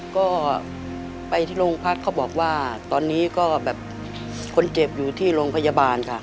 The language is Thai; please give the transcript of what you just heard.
ก็ไปที่โรงพักเขาบอกว่าตอนนี้ก็แบบคนเจ็บอยู่ที่โรงพยาบาลค่ะ